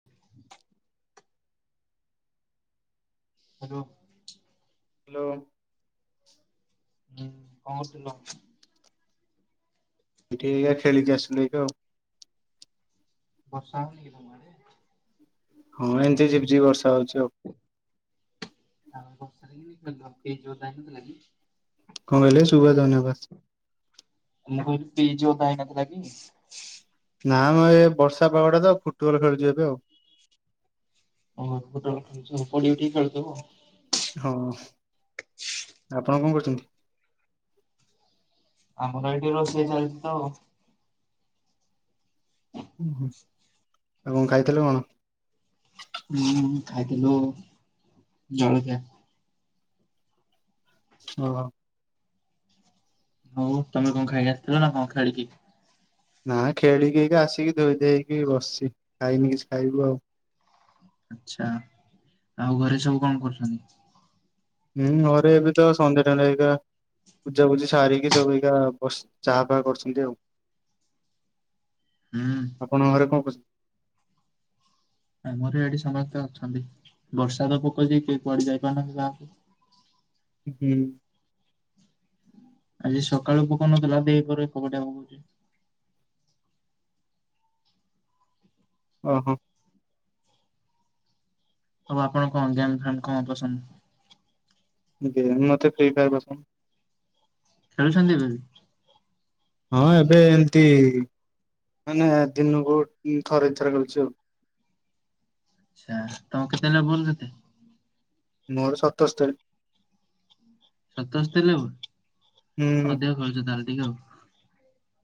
[inaudible] Hello. Hello. କଣ କରୁଥିଲ? ଏଠି ଇଏ ଖେଳିକି ଆସିଲି ତ ଆଉ। ବର୍ଷା ହଉନି କି ତମ ଆଡେ? ହଁ ଏମିତି ଝିପି ଝିପି ବର୍ଷା ହଉଛି ଆଉ। [inaudible] କଣ କହିଲେ ଶୁଭା ଯାଉନି [inaudible] [inaudible] ନାଁ ମ ଏ ବର୍ଷା ପାଗଟା ତ ଫୁଟବଲ ଖେଳୁଛି ଏବେ ଆଉ। ହଁ ଫୁଟବଲ ଖେଲୁଚ ପଡ଼ି ଉଠିକି ଖେଳୁଥିବ ଆଉ। ହଁ, ଆପଣ କଣ କରୁଛନ୍ତି? ଆମର ଏଇଠି ରୋଷେଇ ଚାଲିଛି ତ ଆଉ। ଉଁ ହୁଁ ଆଉ କଣ ଖାଇଥିଲେ କଣ? ହୁଁ ଖାଇଥିଲୁ ଜଳଖିଆ। ହଁ। ଆଉ ତମେ କଣ ଖାଇକି ଆସିଥିଲ ନା କଣ ଖେଳିକି? ନାଁ ଖେଳିକି ଏଇ ଆସିକି ଧୋଇ ଧେଇକି ବସିଛି ଖାଇନି କିଛି ଖାଇବୁ ଆଉ। ଆଚ୍ଛା, ଆଉ ଘରେ ସବୁ କଣ କରୁଛନ୍ତି? ହୁଁ ଘରେ ଏବେ ତ ସନ୍ଧ୍ୟା ଟାଇମ ଏହିକା। ପୂଜାପୂଜି ସାରିକି ସବୁା ସବୁ ଏଇକା ବସ ଚାହା ଫା କରୁଛନ୍ତି ଆଉ। ହୁଁ ଆପଣଙ୍କ ଘରେ କଣ କରୁଛନ୍ତି? ଆମର ଏଠି ସମସ୍ତେ ଅଛନ୍ତି ବର୍ଷା ତ ପକଉଛି ଯେ କିଏ କୁଆଡେ ଯାଇ ପାରୁନାହାନ୍ତି ବାାହା ହୁଁ। ଆଜି ସକାଳୁ ପକଉନଥିଲା ଦ୍ବିପହରେ ଏକ ପଟିଆ ପକଉଛି। ଓହୋ। ଆଉ ଆପଣ କଣ ଗେମ ଫେମ କଣ ପସନ୍ଦ? ଗେମ ମୋତେ ଫ୍ରି ଫେୟାର ପସନ୍ଦ। ଖେଳୁଛନ୍ତି କି? ହଁ ଏବେ ଏମିତି ମାନେ ଦିନକୁ ଥରେ, ଦି ଥର ଖେଳୁଛି ଆଉ। [inaudible] ମୋର ସତସ୍ତରି। ସତସ୍ତରୀ ଏମ ହୁଁ ଅଧିକ ଖେଳୁଛ ତାହେଲେ ଟିକେ ଆଉ।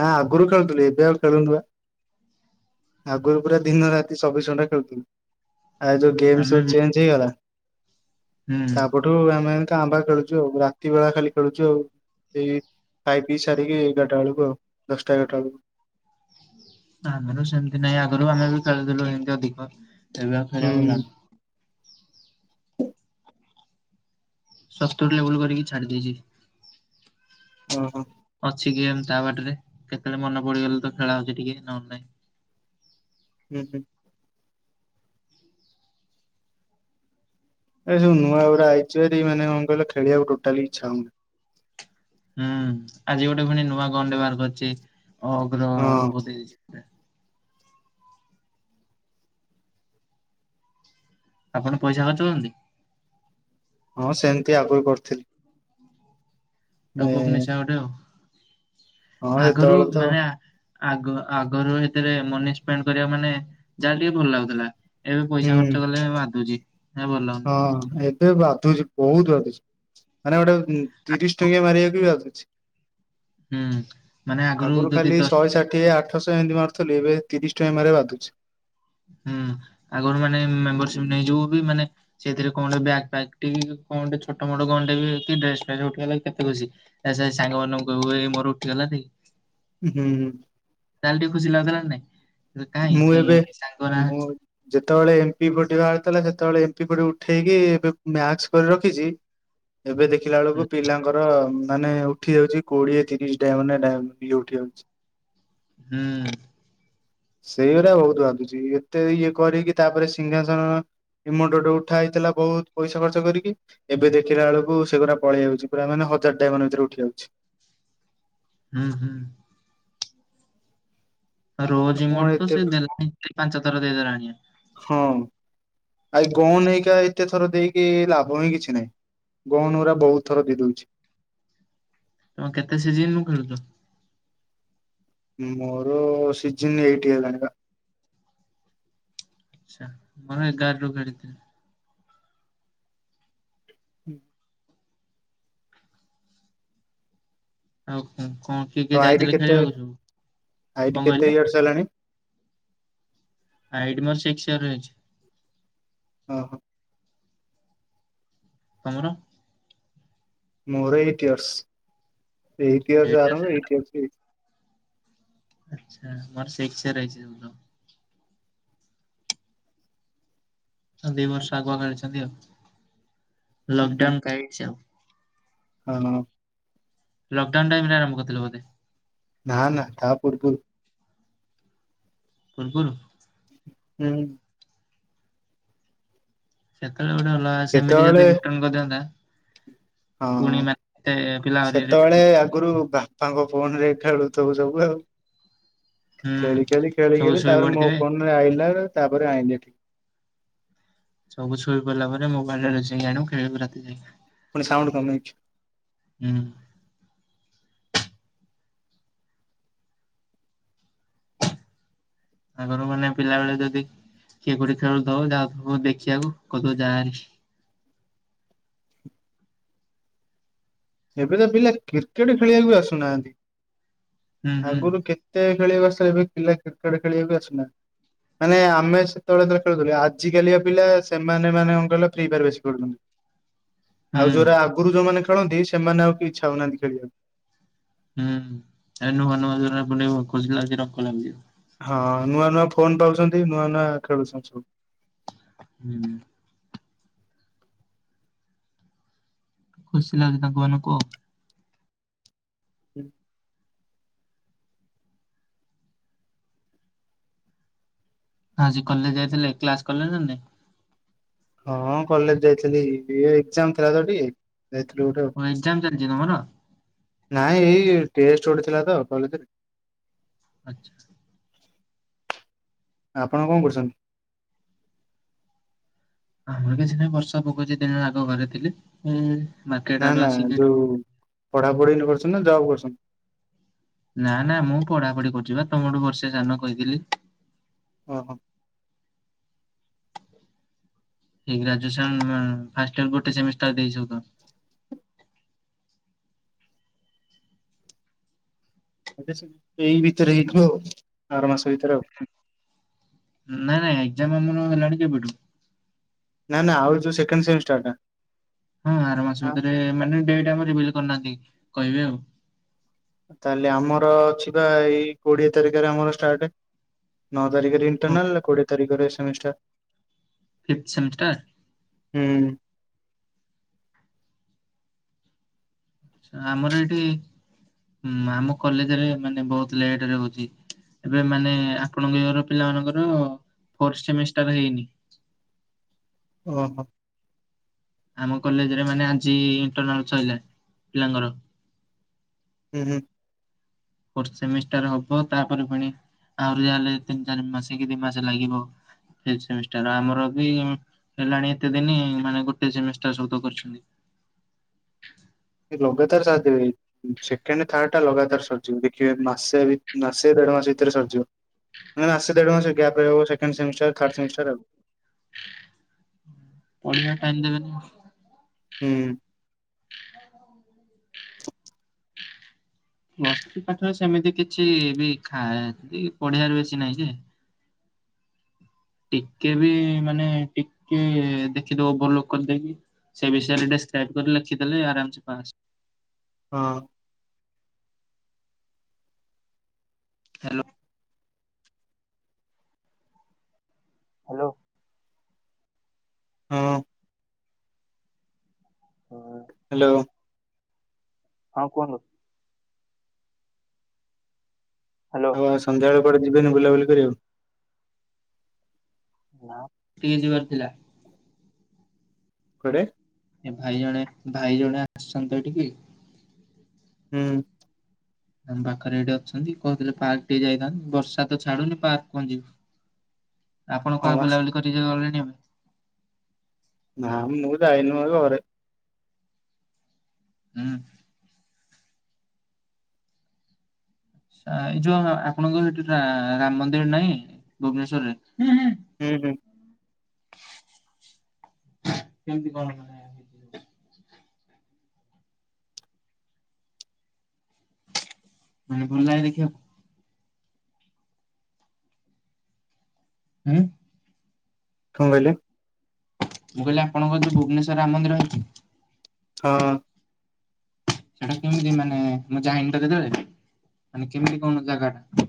ନା ଆଗରୁ ଖେଳୁଥିଲି ଏବେ ଆଉ [inaudible] ଆଗରୁ ପୁରା ଦିନ ରାତି ଚବିଶି ଘଣ୍ଟା ଖେଳୁଥିଲି। ଆଉ ଯୋଉ ଗେମ ଆମେ ସବୁ ବି ଚେଞ୍ଜ ହେଇଗଲା। ହୁଁ ତାପ [inaudible] କାଁ ଫାଁ ଖେଳୁଛୁ ଆଉ ରାତି ବେଳା ଖାଲି ଖେଳଛୁ ଆଉ। ଏଇ ଖାଇପିଇ ସାରିକି ଏଗାରଟା ବେଳକୁ ଆଉ ଦଶଟା, ଏଗାରଟା ବେଳକୁ। ଆମର ସେମିତି ନାହିଁ, ଆଗରୁ ଆମେ ବି ଖେଳିୁଥିଲୁ ଏମିତି ଅଧିକ ଏବେ ଆଉ ଖେଳିବାକୁ ହୁଁ ଯାଉନୁ। [inaudible] କରିକି ଛାଡି ଦେଇେଇଛି। ଓହୋ। ଅଛି ଗେମ ତା, ବାଟରେ କେତେବେଳେ ମନ ପଡିଗଲେ ତ ଖେଳା ହଉଛି ଟିକେ ନହଲେ ନାହିଁ। ଉଁ ହୁଁ। ଏବେ ସବୁ ନୂଆ ଗୁରା ଆଇଚୁ ହେରି ମାନେ କଣ କହିଲ ଖେଳିବାକୁ ଟୋଟାଲି ଇଛା ହଉନି। ହୁଁ ଆଜି ଗୋଟେ ପୁଣି ନୂଆ ଗନ୍ ଟେ ବାହାର କରିଛି ଅଗର ହଁ ଏଭୋ ଦେଇ ଦେଇଛି ଆପଣ ପଇସା ଖର୍ଚ୍ଚ କରନ୍ତି ହଁ ସେମିତି ଆଗରୁ କରିଥିଲି ଟପଅପ୍ ନିଶା ଗୋଟେ ଆଉ ହଁ ଆଗରୁ ସେତେବେଳେ ତ ମାନେ ଆଗ ଆଗରୁ ଏଥିରେ ମନି ସ୍ପେଣ୍ଡ କରିବା ମାନେ ଯାହା ଟିକେ ଭଲ ଲାଗୁଥିଲା ଏବେ ହୁଁ ପଇସା ଖର୍ଚ୍ଚ କଲେ ବାଧୁଛି ହେ ଭଲ ଲାଗୁନି। ହଁ ଏବେ ବାଧୁଛି ବହୁତ ବାଧୁଛି ମାନେ ଗୋଟେ ତିରିଶ ଟଙ୍କିଆ ମାରିବାକୁ ବି ବାଧୁଛି ହୁଁ ମାନେ ଆଗରୁ ଯଦି ଖାଲି ଦଶ ଶହେ ଷାଠିଏ ଆଠଶହ ଏମିତି ମାରୁଥିଲି ଏବେ ତିରିଶି ଟଙ୍କା ମାରିବା କୁ ବାଧୁଛି ହୁଁ ଆଗରୁ ମାନେ ମେମ୍ବରସିପ ନେଇଯିବ ବି ମାନେ ସେଇଥିରେ କଣ ଟେ ବ୍ୟାଗ ପ୍ୟାକ ଟେ କଣ ଟେ ଛୋଟ ମୋଟ ଗନ୍ ଟେ କି ଡ୍ରେସ ପ୍ୟାଣ୍ଟ ଉଠିଗଲା କେତେ ଖୁସି ସେ ସାଙ୍ଗ ମାନଙ୍କୁ କହିବୁ ଏଇ ମୋର ଉଠି ଗଲାରେ ହୁଁଁ ତାହେଲେ ଟିକେ ଖୁସି ଲାଗୁଥିଲା ନା ନାଇ କାହିଁ କାହିଁ ବହୁତ ଯେତେବେଳେ ଏମ ପି ଫଟି ବାହାରିଥିଲା ସେତେବେଳେ ଏମ ପି ଫଟି ଉଠେଇକି ଏବେ ମ୍ୟାକ୍ସ କରି ରଖିଛି ଏବେ ଦେଖିଲା ବେଳକୁ ପିଲାଙ୍କର ମାନେ ଉଠି ଯାଉଛି କୋଡିଏ ତିରିଶ ଟା ଡାଇମଣ୍ଡ ଡାଇମଣ୍ଡ ରେ ଇଏ ଉଠି ଯାଉଛି ହୁଁ ହୁଁ ସେଇଗୁଡା ବହୁତ ବାଧୁଛି ଏତେ ଇଏ କରିକି ତାପରେ ସିଂହାସନ ଏମୋଟ ଗୋଟେ ଉଠା ହେଇଥିଲା ବହୁତ ପଇସା ଖର୍ଚ୍ଚ କରିକି ଏବେ ଦେଖିଲା ବେଳକୁ ସେଗୁରା ପଳେଇ ଆଉଛି ପୁରା ମାନେ ହଜାର ଡାଇମନ ଭିତରେ ଉଠି ଯାଉଛି ହୁଁ ହୁଁ ଆଉ ରୋଜ କଣ ଇମୋଟ ତ ଏତେ ସେ ଦେଲାଣି ପାଞ୍ଚ ଥର ଦେଇ ଦେଲାଣି ହଁ ଆାଇ ଗହ ହେଇକା ଏତେ ଥର ଦେଇକି ଲାଭ ହିଁ କିଛି ନାହିଁ ଗହ ଗୁରା ବହୁତ ଥର ଦେଇ ଦଉଛି ତମ କେତେ ସିଜିିନୁ ରୁ ଖେଳୁଛ ମୋର ସିଜିନ୍ ଏଇଟ୍ ହେଲାଣି ବା ଆଛା ମର ଏଗାର ରୁ ଖେଳିଥିଲି ହୁଁ ଆଉ କଣ କିଏ କିଏ ତ ଆଇଡି ଯାଇଥିଲେ ଖେଳିବାକୁ ସବୁ କଣ କହିଲେ କରିସାରିଲଣି ଆଇଡି ମୋର ରସିକ୍ସ ୟାର ହେଇଛି ଓହୋ ତମର ମୋର ଏଇଟ ଇୟର୍ସ ଏଇଟ ଇୟର୍ସ ରୁ ଆରମ୍ଭ ଏଇଟ୍ ଆଚ୍ଛା ମୋର ସିକ୍ସ ୟାର ହେଇଛି ସବୁ ତ ହ ଦି ବର୍ଷ ଆଗୁଆ କରିଛନ୍ତି ଆଉ ଲକଡାଉନ କାଇଟ୍ସ୍ ଆଉ ହ ଲକଡ଼ାଉନ ଟାଇମ ରେ ଆରମ୍ଭ କରିଥିଲେ ବଧେ ନା ନା ତା ପୂର୍ବରୁ ପୂର୍ବରୁ ହୁଁ ସେତେବେଳେ ଗୋଟେ ଅଲଗା ସେମିତି ସେତେବେଳେ ଯଦି ରିଟର୍ଣ କରିଦିଅନ୍ତା ହଁ, ପୁଣି ମାନେ ପିଲା ଆହୁରି ସେତେବେଳେ ରିଟର୍ନ ଆଗରୁ ବା ବାପାଙ୍କ ଫୋନ ରେ ଖେଳୁଥୁବୁ ସବୁ ଆଉ, ହୁଁ। ଖେଳି ଖେଳି ଖେଳି ସବୁ ଖେଳି ଶୋଇ ତାପରେ ମୋ ପଡିଥିବେ ଫୋନ ଆଇଲା ତାପରେ ଆଇଁଲି ଏଠି ସବୁ ଛୁଇ ପଡିଲା ପରେ ମୋବାଇଲ ଟା ଲୁଚେଇକି ଆଣିବୁ ଖେଳିବୁ ରାତି [unintelligible] ଫୁଣି ସାଉଣ୍ଡ କମେଇଛି। ହୁଁ। ତାଙ୍କର ମାନେ ପିଲାବେଳେ ଯଦି କିଏ କଉଠି ଖେଳୁଥିବ, ଯାଉଥିବ, ଦେଖିବାକୁ କତୁ ଯାହାରି। ଏବେ ତ ପିଲା କ୍ରିକେଟ୍ ଖେଳିବାକୁ ବି ଆସୁନାହାନ୍ତି, ହୁଁ ହୁଁ ଆଗରୁ କେ କେତେ ଖେଳିବାକୁ ଆସିଲେ, ଏବେ ପିଲା କ୍ରିକେଟ ଖେଳିବା କୁ ଆସୁନାହାନ୍ତି। ମାନେ ଆମେ ସେତେବେଳେ ଯେବେଳେ ଖେଳୁଥିଲୁ, ଆଜିକାଲିକା ପିଲା ସେମାନେ ମାନେ କଣ କହିଲ ଫ୍ରି ଫାୟାର ବେଶୀ ଖେଳୁଛନ୍ତି। ହୁଁ ଆଉ ଯୋଉରା ଆଗରୁ ଯୋଉମାନେ ଖେଳନ୍ତି ସେମାନେ ଆଉ କି ଇଚ୍ଛା ହଉନାହାନ୍ତି ଖେଳିବାକୁ। ହୁଁ, ଏ ନୁହଁ ନୁହ ଯୋଉରା ଏପଟେ। [unintelligible] ହଁ ନୂଆ ନୂଆ ଫୋନ୍ ପାଉଛନ୍ତି, ନୂଆ ନୂଆ ଖେଳୁଛନ୍ତି ସବୁ। ହୁଁ। ଖୁସି ଲାଗୁଛି ତାଙ୍କ ମାନଙ୍କୁ। ଆଜି କଲେଜ୍ ଯାଇଥିଲେ, କ୍ଲାସ୍ କଲେ ନା ନାହିଁ? ହଁ କଲେଜ୍ ଯାଇଥିଲି, ଇଏ ଏକ୍ଜାମ୍ ଥିଲା ତ ଟି ଯାଇଥିଲୁ ଗୋଟେ ଆଉ। କଣ ଏକ୍ଜାମ ଚାଲିଛି ତମର? ନାଇଁ ଏଇ ଟେଷ୍ଟ ଗୋଟେ ଥିଲା ତ କଲେଜ୍ ରେ। ଆଚ୍ଛା। ଆପଣ କଣ କରୁଛନ୍ତି? ଆମର କିଛି ନାହିଁ ବର୍ଷା ପକାଉଛି ଦିନରେ ଆଗ ଘରେ ଥିଲି ଉଁ ମାର୍କେଟ୍ ଆଡୁ ଆସିକି ଏଠି ପଢ଼ା ପଢି ଏନେ କରୁଛନା ନା ଜବ୍ କରୁଛ? ନା ନା ମୁଁ ପଢାପଢି କରୁଛି ପା, ତମଠୁ ବର୍ଷେ ସାନ କହିଥିଲି। ଓଃ। ଏଇ ଗ୍ରାଜୁଏଷନ୍ ଫାଷ୍ଟ୍ ଇୟର ଗୋଟେ ସେମିଷ୍ଟାର ଦେଇଚ ତ? ଏଇ ଭିତରେ ହେଇଥିବ, ଆର ମାସ ଭିତରେ ଆଉ? ନାଇଁ ନାଇଁ, ଏକ୍ଜାମ୍ ଆମର ହେଲାଣି କେବେଠୁ। ନା ନା, ଆଉ ଯୋଉ ସେକଣ୍ଡ୍ ସେମିଷ୍ଟାର୍ ଟା। ହଁ ଆର ମାସ ଆ ଭିତରେ ମାନେ ଡେଟ ଆମର ରିଭିଲ୍ କରିନାହାନ୍ତି, କହିବେ ଆଉ। ତାହେଲେ ଆମର ଅଛି ପା ଏଇ କୋଡିଏ ତାରିଖରେ ଆମର ଷ୍ଟାଟ୍, ନଅ ତାରିଖରେ କଣ ପାଇଁ ଇଣ୍ଟରନାଲ୍ କୋଡିଏ ତିଖରେ ସେମିଷ୍ଟାର୍। Fifth semester? ହୁଁ। ଆମର ଏଇଠି, ହୁଁ ଆମ କଲେଜରେ ମାନେ ବହୁତ ଲେଟରେ ହଉଛି। ଏବେ ମାନେ ଆପଣଙ୍କ ଇୟର ପିଲା ମାନଙ୍କର ଫୋର୍ଥ ସେମିଷ୍ଟାର ହେଇନି? ଓହୋ। ଆମ କଲେଜରେ ମାନେ ଆଜି ଇଣ୍ଟରନାଲ ସଇଲା ପିଲାଙ୍କର। ହୁଁ ହୁଁ। ଫୋର୍ଥ ସେମିଷ୍ଟାର ହବ ତାପରେ ପୁଣି ଆହୁରି ଯାହାଲେ ତିନି ଚାରି ମାସେ କି ଦି ମାସେ ଲାଗିବ। ଏଇ ସେମିଷ୍ଟାର ଆମର ବି ହେଲାଣି ଏତେ ଦିନି ମାନେ ଗୋଟେ ସେମିଷ୍ଟାର ସବୁ ତକ କରିଛନ୍ତି। କି ଲଗାତାର ତାର ସାଥ୍ ଦେବେ। ସେକେଣ୍ଡ ଥାର୍ଡ ଟା ଲଗାତାର ସରିଯିବ, ଦେଖିବେ ମାସେ ଭି ମାସେ ଦେଢ ମାସ ଭିତରେ ସରିଯିବ। ମାନେ ମାସେ ଦେଢ ମାସେ ଗ୍ୟାପ ରହିବ, ସେକଣ୍ଡ ସେମିଷ୍ଟାର, ଥାଡ୍ ସେମିଷ୍ଟାର ଆଉ। ପଢିବା ଟାଇମ୍ [unintelligible] ହୁଁ। ବସ୍ତି ପାଠ ସେମିତି କିଛି ବି ଖା ପଢିବାର ବେଶି ନାହିଁ ଯେ ଟିକେ ବି ମାନେ ଟିକେ ଦେଖିଦବ ଭଲ କରିଦେଇକି। ସେ ବିଷୟରେ ଦେସକ୍ରଆଇନକରି ଲଖିଦେଲେ ଆରାମ୍ ସେ ପାସ୍। ହଁ। ହାଲୋ। ହାଲୋ। ହଁ। ହାଲୋ। ହଁ କୁହନ୍ତୁ। ହ୍ୟାଲୋ ଆଉ ସନ୍ଧ୍ୟାବେଳେ କୁଆଡେ ଯିବେନି ବୁଲାବୁଲି କରିବାକୁ। ହେ ଟିକେ ଯିବାର ଥିଲା। ଖରେ। ଏ ଭାଇ ଜଣେ ଭାଇ ଜଣେ ଆସିଛନ୍ତି ଏଠିକି। ହୁଁ। ଆମ ପାଖରେ ଏଇଠି ଅଛନ୍ତି କହୁଥିଲେ ପାର୍କ ଟିକେ ଯାଇଥାନ୍ତନ୍ତି ବର୍ଷା ତ ଛାଡୁନି ପାର୍କ କଣ ଯିବି। ଆପଣ ହଁ କଣ ବା ବୁଲାବୁଲି କରି ଗଲେଣି ଏବେ। ନାଁ ମୁଁ ଦଇନି ମ ଘରେ। ହୁଁ ଆଛା ଏଇ ଯୋଉ ଆପଣଙ୍କ ସେଠି ରାମ ମନ୍ଦିର ନାହିଁ ଭୁବନେଶ୍ଵରରେ। ହୁଁ ହୁଁ କେମିତି କଣ? ହେଇଛି? ଭଲ ଲାଗେ ଦେଖିବାକୁ। ହୁଁ କଣ କହିଲେ। ମୁଁ କହିଲି ଆପଣଙ୍କ ଯୋଉ ଭୁବନେଶ୍ୱର ରାମ ମନ୍ଦିର ଅଛି। ହଁ ସେଇଟା କେମିତି ମାନେ ମୁଁ ଯାଇନି ତ କେତେବଳେ ମାନେ କେମିତି କଣ ଜାଗା ଟା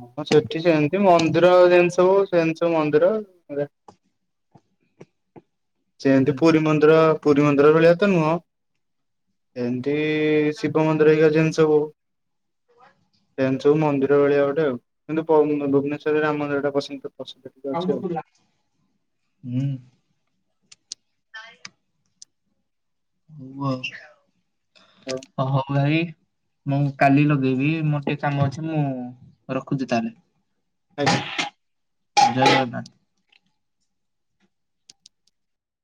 ହଁ ସେଠି ସେମିତି ମନ୍ଦିର ଯେନିତି ସବୁ ସେନି ସବୁ ମନ୍ଦିର। ସେମିତି ହୁଁ ପୁରୀ ମନ୍ଦିର ପୁରୀ ମନ୍ଦିର ଭଳିଆ ତ ନୁହଁ। ଏମତି ଶିବ ମନ୍ଦିର ଘରିକ ଜମତି ସବୁ। ସେ ସବୁ ମନ୍ଦିର ଭଳିଆ ଗୋଟେ ଆଉ କିନ୍ତୁ ଭୁବନେଶ୍ୱରରେ ରାମ ମନ୍ଦିର ଟା ପସନ୍ଦ। ପ୍ରସିଦ୍ଧ ଟିକେ ଅଛି ଆଉ ହୁଁ କାଇ ହଉଉ ହଉ ଭାଇ ମୁଁ କାଲି ଲଗେଇବି ମୋର ଟିକେ କାମ ଅଛି ମୁଁ ରଖୁଛି ତାହେଲେ। ଆଜ୍ଞା ଜଗରନାଥ